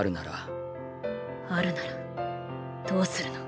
あるならどうするの？